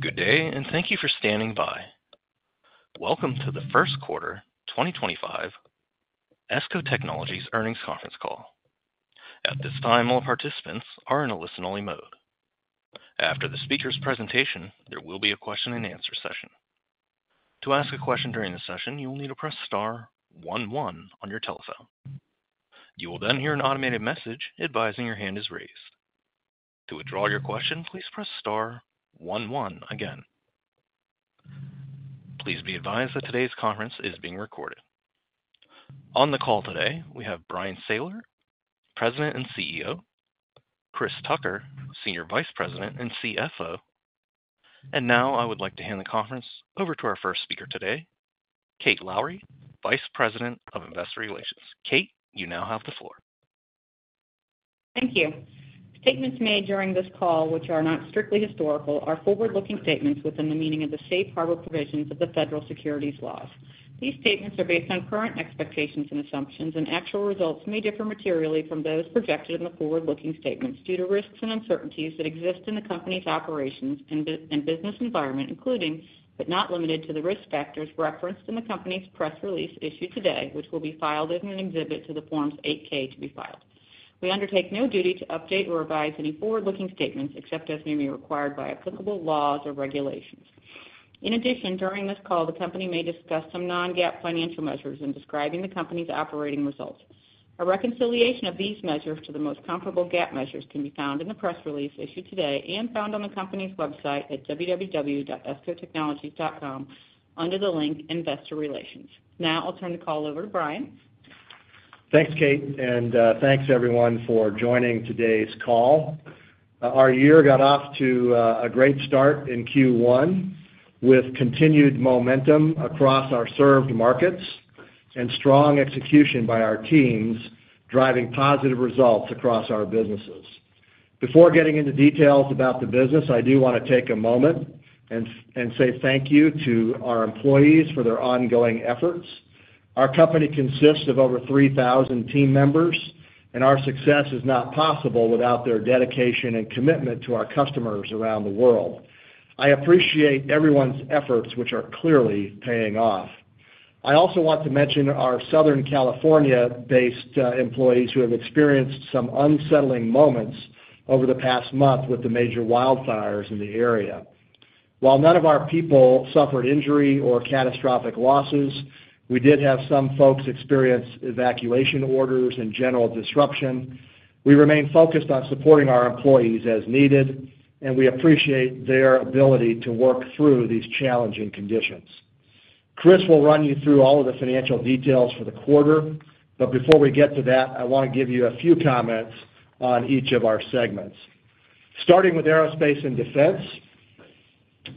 Good day, and thank you for standing by. Welcome to the first quarter 2025 ESCO Technologies earnings conference call. At this time, all participants are in a listen-only mode. After the speaker's presentation, there will be a question-and-answer session. To ask a question during the session, you will need to press star one one on your telephone. You will then hear an automated message advising your hand is raised. To withdraw your question, please press star one one again. Please be advised that today's conference is being recorded. On the call today, we have Bryan Sayler, President and CEO, Chris Tucker, Senior Vice President and CFO. And now, I would like to hand the conference over to our first speaker today, Kate Lowrey, Vice President of Investor Relations. Kate, you now have the floor. Thank you. Statements made during this call, which are not strictly historical, are forward-looking statements within the meaning of the safe harbor provisions of the federal securities laws. These statements are based on current expectations and assumptions, and actual results may differ materially from those projected in the forward-looking statements due to risks and uncertainties that exist in the company's operations and business environment, including, but not limited to, the risk factors referenced in the company's press release issued today, which will be filed as an exhibit to the Form 8-K to be filed. We undertake no duty to update or revise any forward-looking statements except as may be required by applicable laws or regulations. In addition, during this call, the company may discuss some non-GAAP financial measures in describing the company's operating results. A reconciliation of these measures to the most comparable GAAP measures can be found in the press release issued today and found on the company's website at www.escotechnologies.com under the link Investor Relations. Now, I'll turn the call over to Bryan. Thanks, Kate, and thanks, everyone, for joining today's call. Our year got off to a great start in Q1 with continued momentum across our served markets and strong execution by our teams, driving positive results across our businesses. Before getting into details about the business, I do want to take a moment and say thank you to our employees for their ongoing efforts. Our company consists of over 3,000 team members, and our success is not possible without their dedication and commitment to our customers around the world. I appreciate everyone's efforts, which are clearly paying off. I also want to mention our Southern California-based employees who have experienced some unsettling moments over the past month with the major wildfires in the area. While none of our people suffered injury or catastrophic losses, we did have some folks experience evacuation orders and general disruption. We remain focused on supporting our employees as needed, and we appreciate their ability to work through these challenging conditions. Chris will run you through all of the financial details for the quarter, but before we get to that, I want to give you a few comments on each of our segments. Starting with Aerospace & Defense,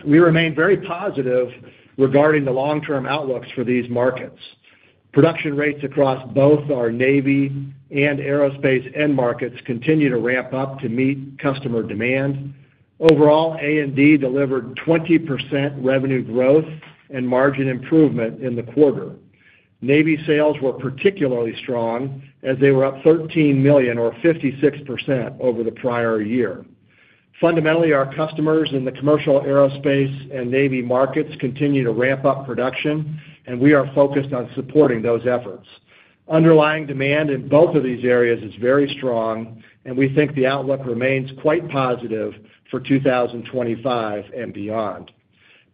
we remain very positive regarding the long-term outlooks for these markets. Production rates across both our Navy and aerospace end markets continue to ramp up to meet customer demand. Overall, A&D delivered 20% revenue growth and margin improvement in the quarter. Navy sales were particularly strong as they were up $13 million, or 56%, over the prior year. Fundamentally, our customers in the commercial aerospace and Navy markets continue to ramp up production, and we are focused on supporting those efforts. Underlying demand in both of these areas is very strong, and we think the outlook remains quite positive for 2025 and beyond.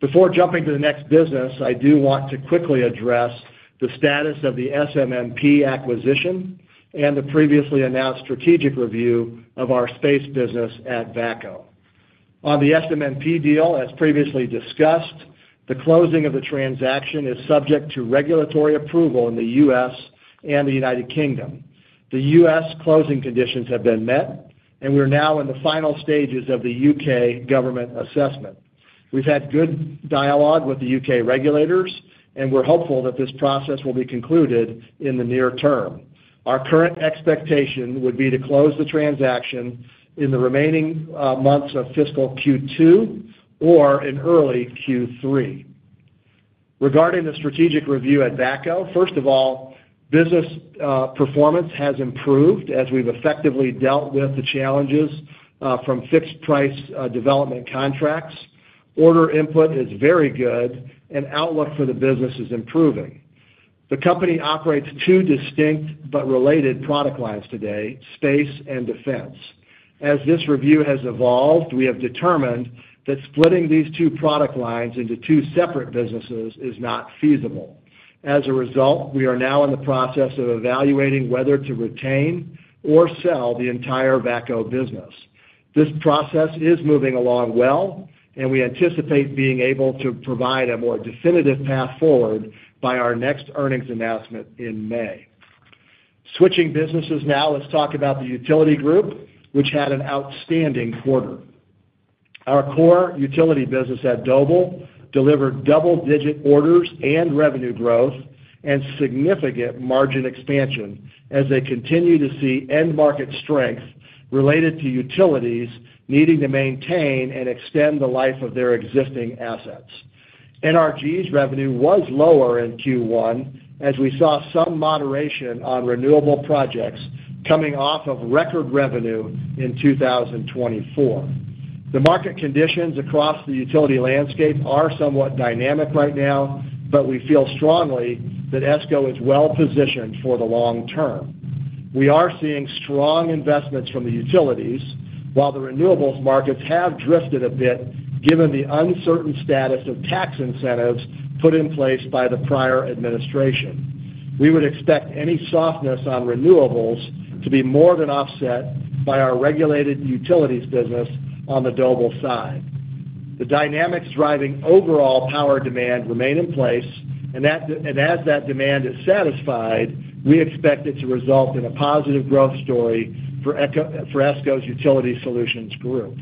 Before jumping to the next business, I do want to quickly address the status of the SM&P acquisition and the previously announced strategic review of our space business at VACCO. On the SM&P deal, as previously discussed, the closing of the transaction is subject to regulatory approval in the U.S. and the United Kingdom. The U.S. closing conditions have been met, and we're now in the final stages of the U.K. government assessment. We've had good dialogue with the U.K. regulators, and we're hopeful that this process will be concluded in the near term. Our current expectation would be to close the transaction in the remaining months of fiscal Q2 or in early Q3. Regarding the strategic review at VACCO, first of all, business performance has improved as we've effectively dealt with the challenges from fixed-price development contracts. Order input is very good, and outlook for the business is improving. The company operates two distinct but related product lines today, space and defense. As this review has evolved, we have determined that splitting these two product lines into two separate businesses is not feasible. As a result, we are now in the process of evaluating whether to retain or sell the entire VACCO business. This process is moving along well, and we anticipate being able to provide a more definitive path forward by our next earnings announcement in May. Switching businesses now, let's talk about the Utility Group, which had an outstanding quarter. Our core Utility business at Doble delivered double-digit orders and revenue growth and significant margin expansion as they continue to see end market strength related to utilities needing to maintain and extend the life of their existing assets. NRG's revenue was lower in Q1, as we saw some moderation on renewable projects coming off of record revenue in 2024. The market conditions across the utility landscape are somewhat dynamic right now, but we feel strongly that ESCO is well-positioned for the long term. We are seeing strong investments from the utilities, while the renewables markets have drifted a bit given the uncertain status of tax incentives put in place by the prior administration. We would expect any softness on renewables to be more than offset by our regulated utilities business on the Doble side. The dynamics driving overall power demand remain in place, and as that demand is satisfied, we expect it to result in a positive growth story for ESCO's Utility Solutions Group.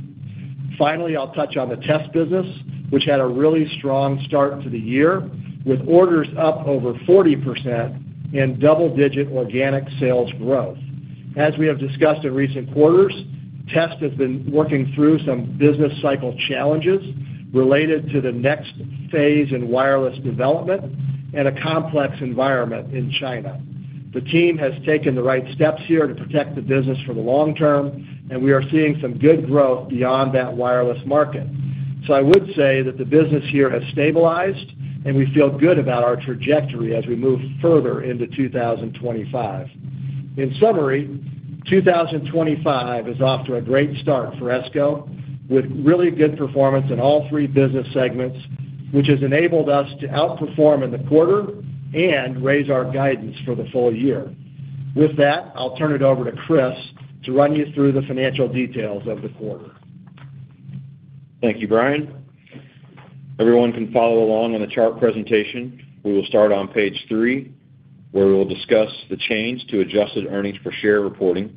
Finally, I'll touch on the Test business, which had a really strong start to the year with orders up over 40% and double-digit organic sales growth. As we have discussed in recent quarters, Test has been working through some business cycle challenges related to the next phase in wireless development and a complex environment in China. The team has taken the right steps here to protect the business for the long term, and we are seeing some good growth beyond that wireless market. So I would say that the business here has stabilized, and we feel good about our trajectory as we move further into 2025. In summary, 2025 is off to a great start for ESCO with really good performance in all three business segments, which has enabled us to outperform in the quarter and raise our guidance for the full year. With that, I'll turn it over to Chris to run you through the financial details of the quarter. Thank you, Bryan. Everyone can follow along on the chart presentation. We will start on page three, where we will discuss the change to adjusted earnings per share reporting.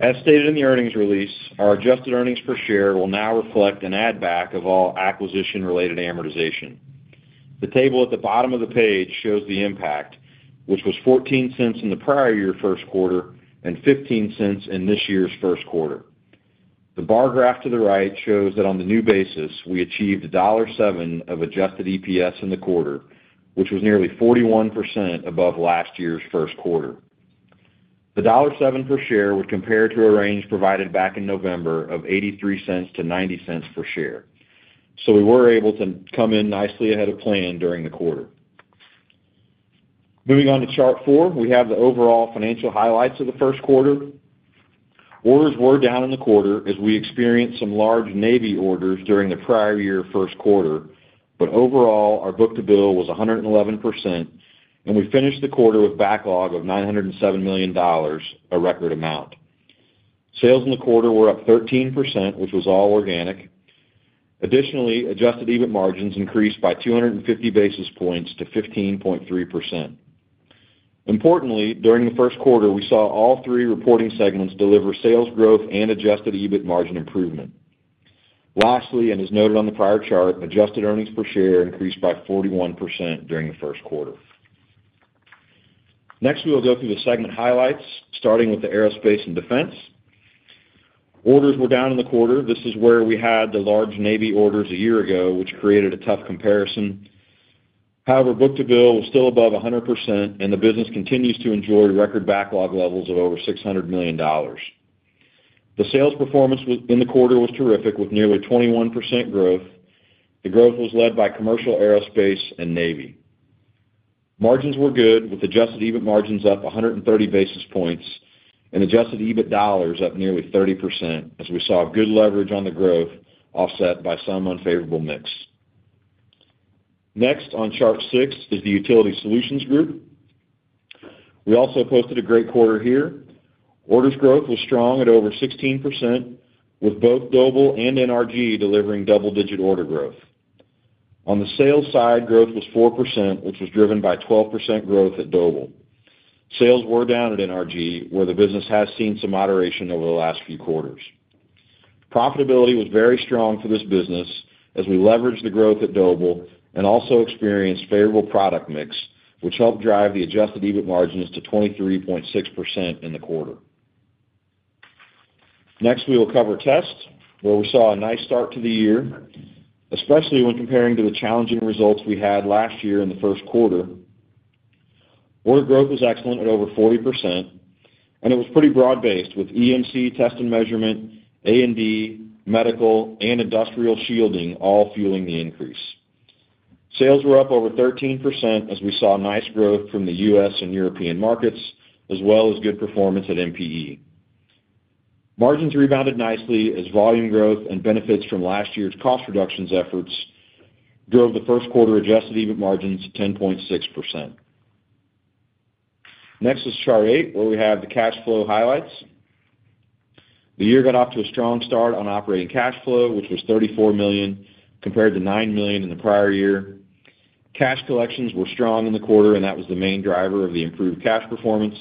As stated in the earnings release, our adjusted earnings per share will now reflect an add-back of all acquisition-related amortization. The table at the bottom of the page shows the impact, which was $0.14 in the prior year's first quarter and $0.15 in this year's first quarter. The bar graph to the right shows that on the new basis, we achieved $1.07 of adjusted EPS in the quarter, which was nearly 41% above last year's first quarter. The $1.07 per share would compare to a range provided back in November of $0.83-$0.90 per share. So we were able to come in nicely ahead of plan during the quarter. Moving on to chart four, we have the overall financial highlights of the first quarter. Orders were down in the quarter as we experienced some large Navy orders during the prior year's first quarter, but overall, our book-to-bill was 111%, and we finished the quarter with a backlog of $907 million, a record amount. Sales in the quarter were up 13%, which was all organic. Additionally, adjusted EBIT margins increased by 250 basis points to 15.3%. Importantly, during the first quarter, we saw all three reporting segments deliver sales growth and adjusted EBIT margin improvement. Lastly, and as noted on the prior chart, adjusted earnings per share increased by 41% during the first quarter. Next, we will go through the segment highlights, starting with the Aerospace & Defense. Orders were down in the quarter. This is where we had the large Navy orders a year ago, which created a tough comparison. However, book-to-bill was still above 100%, and the business continues to enjoy record backlog levels of over $600 million. The sales performance in the quarter was terrific, with nearly 21% growth. The growth was led by commercial aerospace and Navy. Margins were good, with adjusted EBIT margins up 130 basis points and adjusted EBIT dollars up nearly 30%, as we saw good leverage on the growth offset by some unfavorable mix. Next on chart six is the Utility Solutions Group. We also posted a great quarter here. Orders growth was strong at over 16%, with both Doble and NRG delivering double-digit order growth. On the sales side, growth was 4%, which was driven by 12% growth at Doble. Sales were down at NRG, where the business has seen some moderation over the last few quarters. Profitability was very strong for this business as we leveraged the growth at Doble and also experienced a favorable product mix, which helped drive the adjusted EBIT margins to 23.6% in the quarter. Next, we will cover Test, where we saw a nice start to the year, especially when comparing to the challenging results we had last year in the first quarter. Order growth was excellent at over 40%, and it was pretty broad-based, with EMC Test & Measurement, A&D, medical, and industrial shielding all fueling the increase. Sales were up over 13%, as we saw nice growth from the U.S. and European markets, as well as good performance at MPE. Margins rebounded nicely as volume growth and benefits from last year's cost reductions efforts drove the first quarter adjusted EBIT margins to 10.6%. Next is chart eight, where we have the cash flow highlights. The year got off to a strong start on operating cash flow, which was $34 million compared to $9 million in the prior year. Cash collections were strong in the quarter, and that was the main driver of the improved cash performance.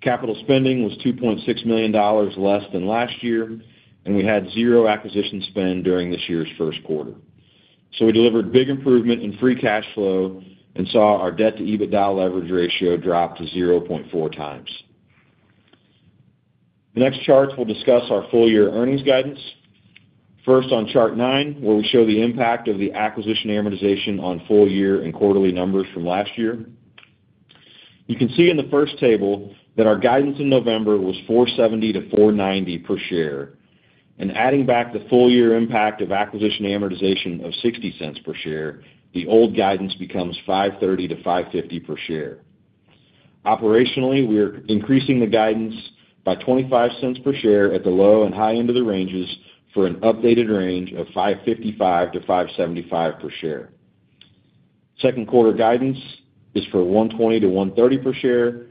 Capital spending was $2.6 million less than last year, and we had zero acquisition spend during this year's first quarter. So we delivered big improvement in free cash flow and saw our debt-to-EBITDA leverage ratio drop to 0.4x. The next charts will discuss our full-year earnings guidance. First, on chart nine, where we show the impact of the acquisition amortization on full-year and quarterly numbers from last year. You can see in the first table that our guidance in November was $4.70-$4.90 per share, and adding back the full-year impact of acquisition amortization of $0.60 per share, the old guidance becomes $5.30-$5.50 per share. Operationally, we are increasing the guidance by $0.25 per share at the low and high end of the ranges for an updated range of $5.55-$5.75 per share. Second quarter guidance is for $1.20-$1.30 per share,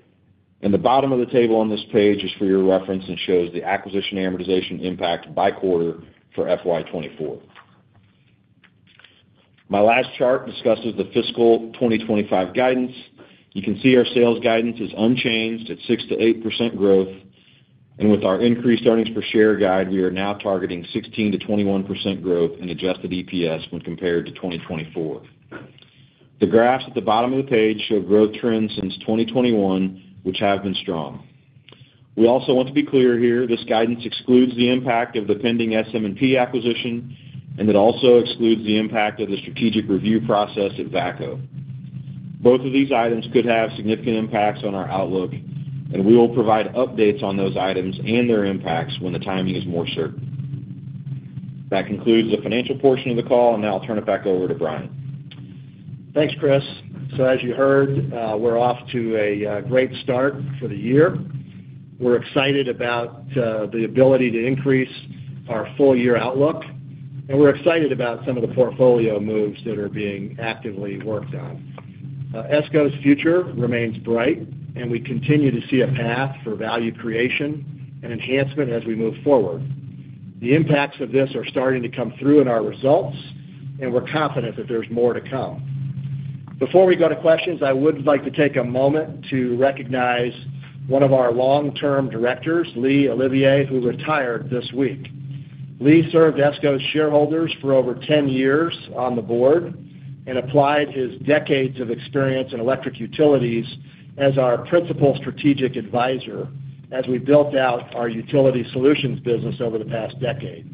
and the bottom of the table on this page is for your reference and shows the acquisition amortization impact by quarter for FY 2024. My last chart discusses the fiscal 2025 guidance. You can see our sales guidance is unchanged at 6%-8% growth, and with our increased earnings per share guide, we are now targeting 16%-21% growth in adjusted EPS when compared to 2024. The graphs at the bottom of the page show growth trends since 2021, which have been strong. We also want to be clear here. This guidance excludes the impact of the pending SM&P acquisition, and it also excludes the impact of the strategic review process at VACCO. Both of these items could have significant impacts on our outlook, and we will provide updates on those items and their impacts when the timing is more certain. That concludes the financial portion of the call, and now I'll turn it back over to Bryan. Thanks, Chris. So as you heard, we're off to a great start for the year. We're excited about the ability to increase our full-year outlook, and we're excited about some of the portfolio moves that are being actively worked on. ESCO's future remains bright, and we continue to see a path for value creation and enhancement as we move forward. The impacts of this are starting to come through in our results, and we're confident that there's more to come. Before we go to questions, I would like to take a moment to recognize one of our long-term directors, Lee Olivier, who retired this week. Lee served ESCO's shareholders for over 10 years on the board and applied his decades of experience in electric utilities as our principal strategic advisor as we built out our Utility Solutions business over the past decade.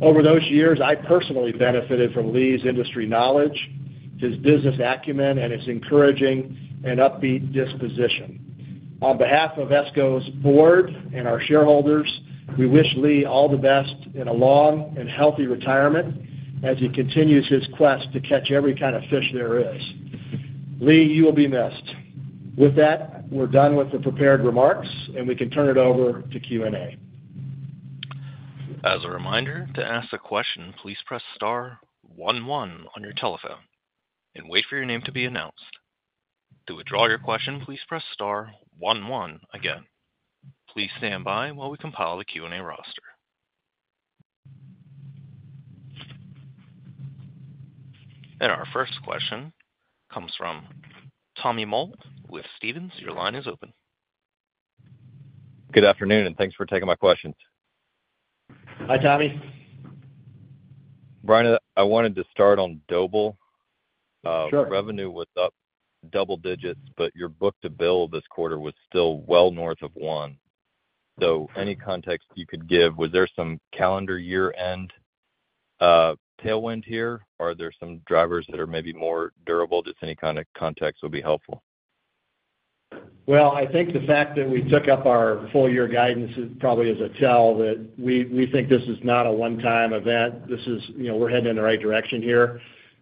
Over those years, I personally benefited from Lee's industry knowledge, his business acumen, and his encouraging and upbeat disposition. On behalf of ESCO's Board and our shareholders, we wish Lee all the best in a long and healthy retirement as he continues his quest to catch every kind of fish there is. Lee, you will be missed. With that, we're done with the prepared remarks, and we can turn it over to Q&A. As a reminder, to ask a question, please press star one one on your telephone and wait for your name to be announced. To withdraw your question, please press star one one again. Please stand by while we compile the Q&A roster. And our first question comes from Tommy Moll with Stephens. Your line is open. Good afternoon, and thanks for taking my questions. Hi, Tommy. Bryan, I wanted to start on Doble. Sure. Revenue was up double digits, but your book-to-bill this quarter was still well north of one. So any context you could give? Was there some calendar year-end tailwind here? Are there some drivers that are maybe more durable? Just any kind of context would be helpful. I think the fact that we took up our full-year guidance probably is a tell that we think this is not a one-time event. We're heading in the right direction here.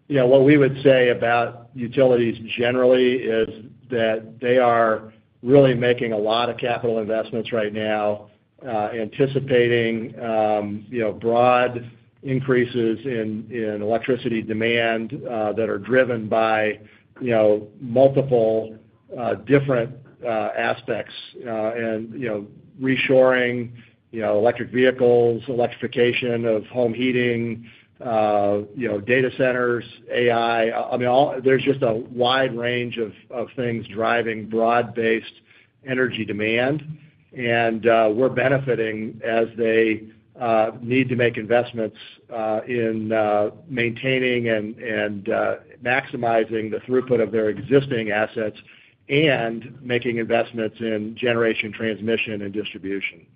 What we would say about utilities generally is that they are really making a lot of capital investments right now, anticipating broad increases in electricity demand that are driven by multiple different aspects and reshoring electric vehicles, electrification of home heating, data centers, AI. I mean, there's just a wide range of things driving broad-based energy demand, and we're benefiting as they need to make investments in maintaining and maximizing the throughput of their existing assets and making investments in generation, transmission, and distribution.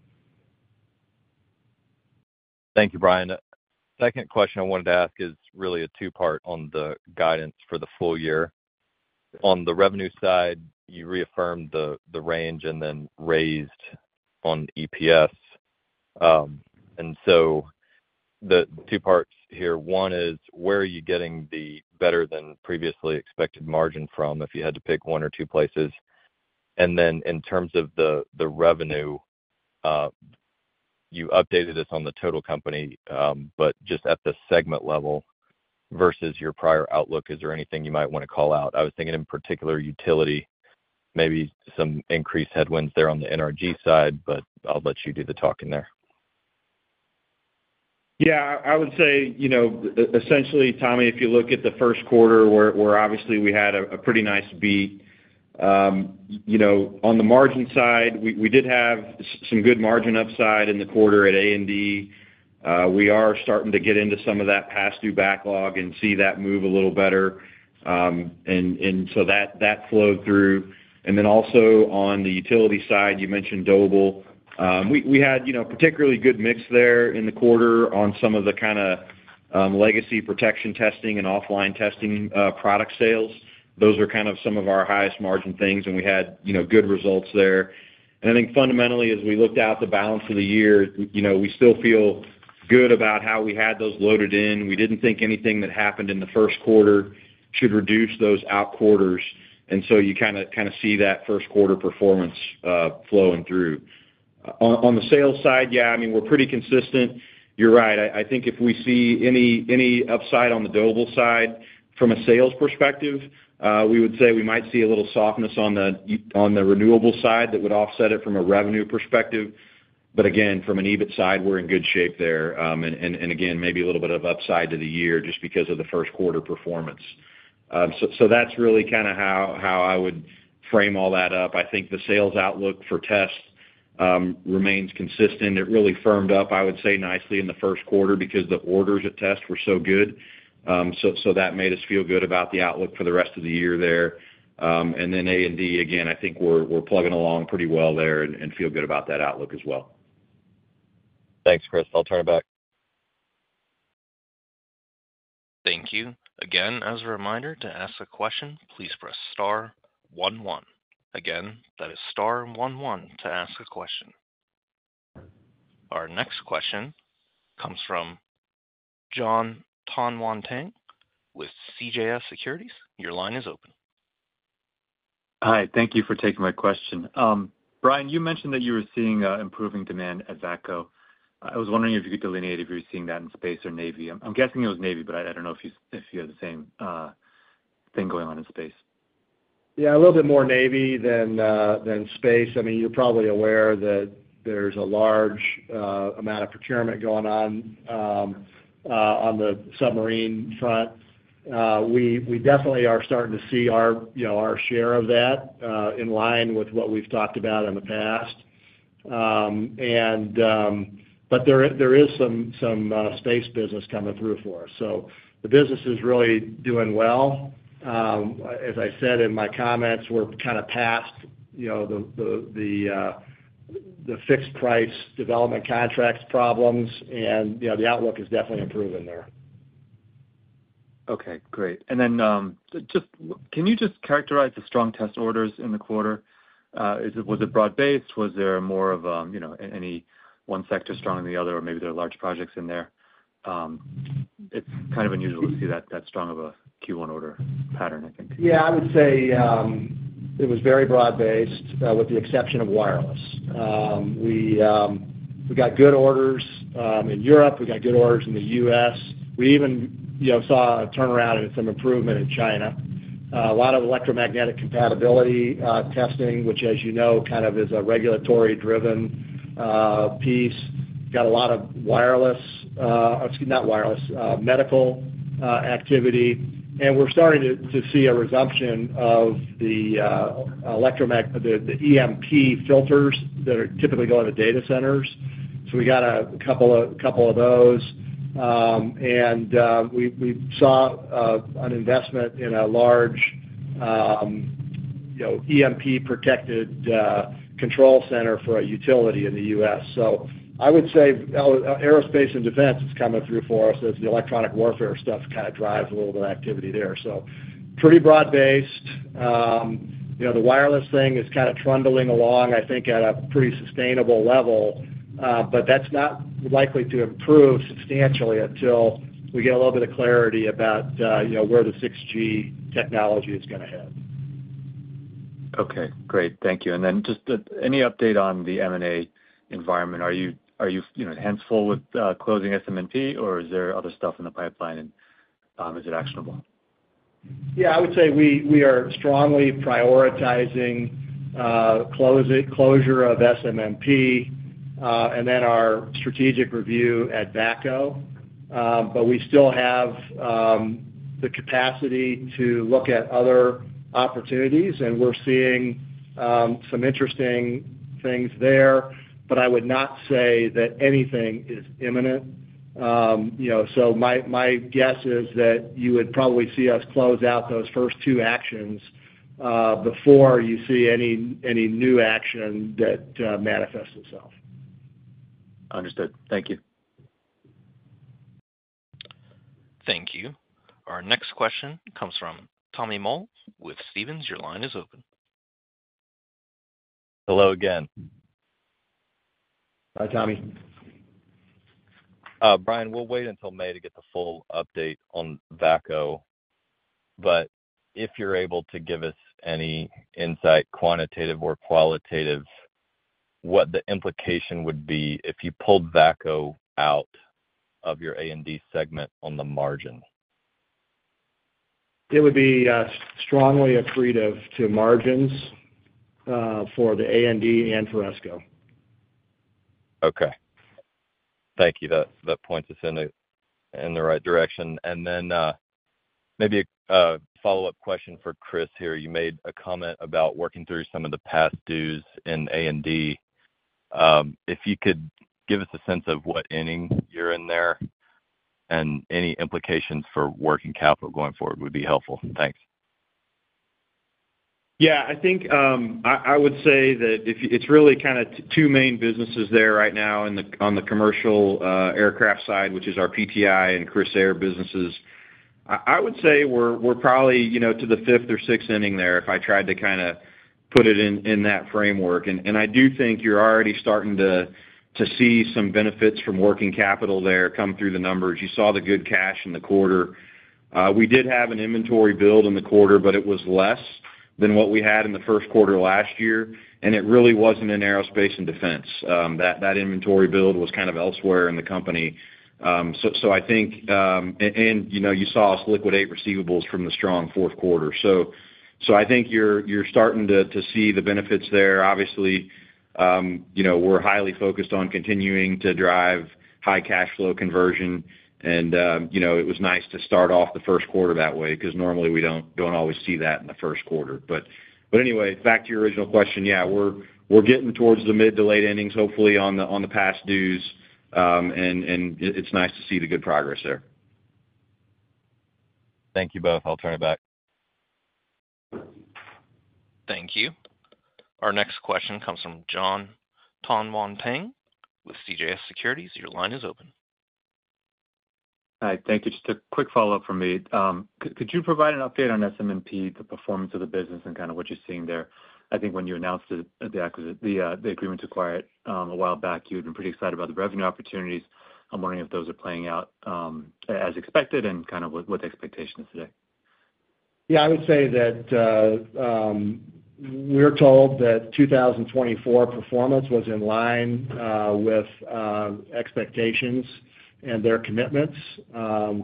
Thank you, Bryan. Second question I wanted to ask is really a two-part on the guidance for the full year. On the revenue side, you reaffirmed the range and then raised on EPS. And so the two parts here. One is, where are you getting the better-than-previously-expected margin from if you had to pick one or two places? And then in terms of the revenue, you updated us on the total company, but just at the segment level versus your prior outlook, is there anything you might want to call out? I was thinking in particular Utility, maybe some increased headwinds there on the NRG side, but I'll let you do the talking there. Yeah, I would say, essentially, Tommy, if you look at the first quarter, where obviously we had a pretty nice beat. On the margin side, we did have some good margin upside in the quarter at A&D. We are starting to get into some of that past due backlog and see that move a little better. And so that flowed through. And then also on the Utility side, you mentioned Doble. We had a particularly good mix there in the quarter on some of the kind of legacy protection testing and offline testing product sales. Those are kind of some of our highest margin things, and we had good results there. And I think fundamentally, as we looked out the balance of the year, we still feel good about how we had those loaded in. We didn't think anything that happened in the first quarter should reduce those out quarters. And so you kind of see that first quarter performance flowing through. On the sales side, yeah, I mean, we're pretty consistent. You're right. I think if we see any upside on the Doble side from a sales perspective, we would say we might see a little softness on the renewable side that would offset it from a revenue perspective. But again, from an EBIT side, we're in good shape there. And again, maybe a little bit of upside to the year just because of the first quarter performance. So that's really kind of how I would frame all that up. I think the sales outlook for Test remains consistent. It really firmed up, I would say, nicely in the first quarter because the orders at Test were so good. So that made us feel good about the outlook for the rest of the year there. And then A&D, again, I think we're plugging along pretty well there and feel good about that outlook as well. Thanks, Chris. I'll turn it back. Thank you. Again, as a reminder to ask a question, please press star one one. Again, that is star one one to ask a question. Our next question comes from Jon Tanwanteng with CJS Securities. Your line is open. Hi. Thank you for taking my question. Bryan, you mentioned that you were seeing improving demand at VACCO. I was wondering if you could delineate if you were seeing that in space or navy. I'm guessing it was Navy, but I don't know if you have the same thing going on in space. Yeah, a little bit more Navy than space. I mean, you're probably aware that there's a large amount of procurement going on on the submarine front. We definitely are starting to see our share of that in line with what we've talked about in the past. But there is some space business coming through for us. So the business is really doing well. As I said in my comments, we're kind of past the fixed-price development contracts problems, and the outlook is definitely improving there. Okay. Great. And then can you just characterize the strong Test orders in the quarter? Was it broad-based? Was there more of any one sector stronger than the other, or maybe there are large projects in there? It's kind of unusual to see that strong of a Q1 order pattern, I think. Yeah, I would say it was very broad-based with the exception of wireless. We got good orders in Europe. We got good orders in the U.S. We even saw a turnaround and some improvement in China. A lot of electromagnetic compatibility testing, which, as you know, kind of is a regulatory-driven piece. We've got a lot of wireless - excuse me, not wireless - medical activity. And we're starting to see a resumption of the EMP filters that typically go into data centers. So we got a couple of those. And we saw an investment in a large EMP-protected control center for a utility in the U.S. So I would say Aerospace & Defense is coming through for us as the electronic warfare stuff kind of drives a little bit of activity there. So pretty broad-based. The wireless thing is kind of trundling along, I think, at a pretty sustainable level, but that's not likely to improve substantially until we get a little bit of clarity about where the 6G technology is going to head. Okay. Great. Thank you. And then just any update on the M&A environment? Are your hands full with closing SM&P, or is there other stuff in the pipeline, and is it actionable? Yeah, I would say we are strongly prioritizing closure of SM&P and then our strategic review at VACCO. But we still have the capacity to look at other opportunities, and we're seeing some interesting things there. But I would not say that anything is imminent. So my guess is that you would probably see us close out those first two actions before you see any new action that manifests itself. Understood. Thank you. Thank you. Our next question comes from Tommy Moll with Stephens. Your line is open. Hello again. Hi, Tommy. Bryan, we'll wait until May to get the full update on VACCO. But if you're able to give us any insight, quantitative or qualitative, what the implication would be if you pulled VACCO out of your A&D segment on the margin? It would be strongly accretive to margins for the A&D and for ESCO. Okay. Thank you. That points us in the right direction. And then maybe a follow-up question for Chris here. You made a comment about working through some of the past dues in A&D. If you could give us a sense of what inning you're in there and any implications for working capital going forward would be helpful. Thanks. Yeah, I think I would say that it's really kind of two main businesses there right now on the commercial aircraft side, which is our PTI and Crissair businesses. I would say we're probably to the fifth or sixth inning there if I tried to kind of put it in that framework. And I do think you're already starting to see some benefits from working capital there come through the numbers. You saw the good cash in the quarter. We did have an inventory build in the quarter, but it was less than what we had in the first quarter last year. And it really wasn't in Aerospace & Defense. That inventory build was kind of elsewhere in the company. So I think, and you saw us liquidate receivables from the strong fourth quarter. So I think you're starting to see the benefits there. Obviously, we're highly focused on continuing to drive high cash flow conversion. And it was nice to start off the first quarter that way because normally we don't always see that in the first quarter. But anyway, back to your original question, yeah, we're getting towards the mid- to late-20s, hopefully, on the past dues. And it's nice to see the good progress there. Thank you both. I'll turn it back. Thank you. Our next question comes from Jon Tanwanteng with CJS Securities. Your line is open. Hi. Thank you. Just a quick follow-up from me. Could you provide an update on SM&P, the performance of the business, and kind of what you're seeing there? I think when you announced the agreement to acquire it a while back, you had been pretty excited about the revenue opportunities. I'm wondering if those are playing out as expected and kind of what the expectation is today. Yeah, I would say that we're told that 2024 performance was in line with expectations and their commitments. We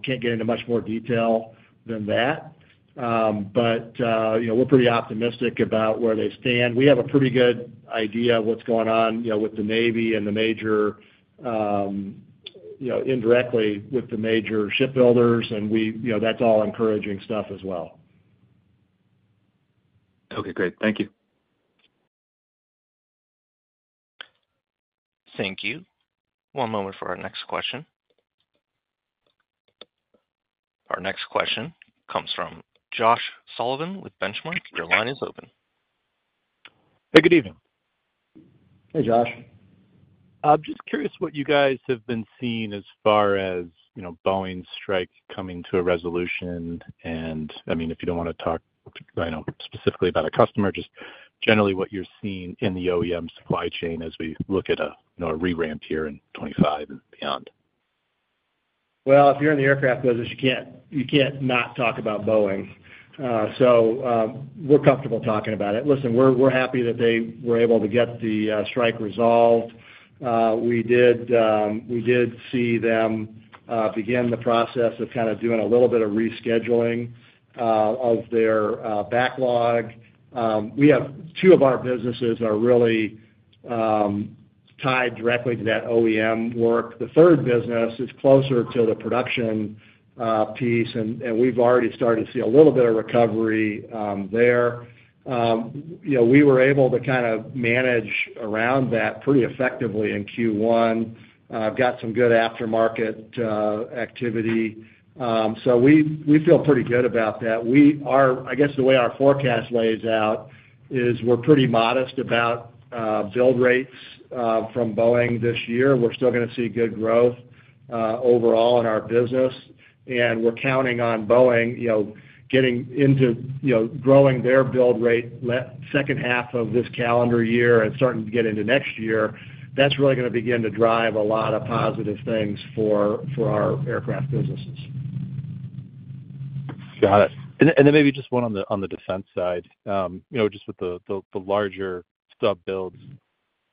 can't get into much more detail than that. But we're pretty optimistic about where they stand. We have a pretty good idea of what's going on with the Navy and indirectly with the major shipbuilders. And that's all encouraging stuff as well. Okay. Great. Thank you. Thank you. One moment for our next question. Our next question comes from Josh Sullivan with Benchmark. Your line is open. Hey, good evening. Hey, Josh. I'm just curious what you guys have been seeing as far as Boeing's strike coming to a resolution. And I mean, if you don't want to talk specifically about a customer, just generally what you're seeing in the OEM supply chain as we look at a re-ramp here in 2025 and beyond. If you're in the aircraft business, you can't not talk about Boeing. So we're comfortable talking about it. Listen, we're happy that they were able to get the strike resolved. We did see them begin the process of kind of doing a little bit of rescheduling of their backlog. Two of our businesses are really tied directly to that OEM work. The third business is closer to the production piece, and we've already started to see a little bit of recovery there. We were able to kind of manage around that pretty effectively in Q1. Got some good aftermarket activity. So we feel pretty good about that. I guess the way our forecast lays out is we're pretty modest about build rates from Boeing this year. We're still going to see good growth overall in our business. We're counting on Boeing getting into growing their build rate second half of this calendar year and starting to get into next year. That's really going to begin to drive a lot of positive things for our aircraft businesses. Got it. And then maybe just one on the defense side, just with the larger sub builds,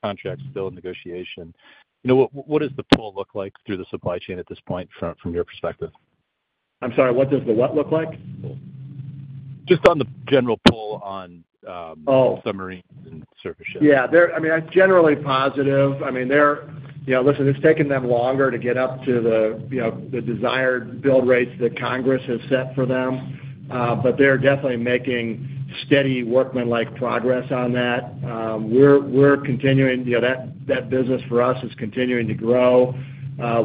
contracts, build negotiation. What does the pull look like through the supply chain at this point from your perspective? I'm sorry, what does the what look like? Just on the general pull on submarines and surface ships. Yeah. I mean, it's generally positive. I mean, listen, it's taken them longer to get up to the desired build rates that Congress has set for them. But they're definitely making steady workman-like progress on that. We're continuing that business for us is continuing to grow.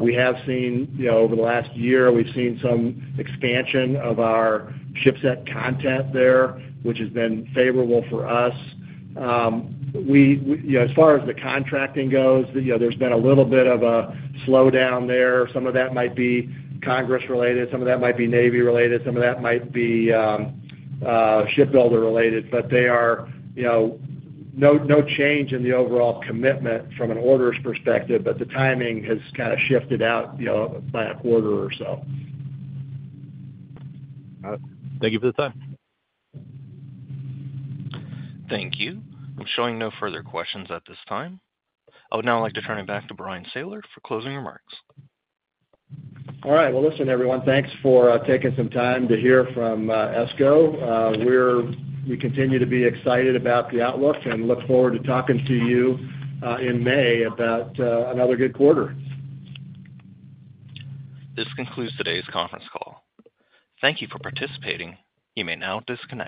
We have seen over the last year, we've seen some expansion of our shipset content there, which has been favorable for us. As far as the contracting goes, there's been a little bit of a slowdown there. Some of that might be Congress-related. Some of that might be Navy-related. Some of that might be shipbuilder-related. But there are no change in the overall commitment from an orders perspective. But the timing has kind of shifted out by a quarter or so. Got it. Thank you for the time. Thank you. I'm showing no further questions at this time. Oh, now I'd like to turn it back to Bryan Sayler for closing remarks. All right. Well, listen, everyone, thanks for taking some time to hear from ESCO. We continue to be excited about the outlook and look forward to talking to you in May about another good quarter. This concludes today's conference call. Thank you for participating. You may now disconnect.